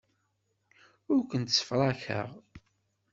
Ur kent-ssefrakeɣ.